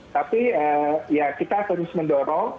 tapi ya kita terus mendorong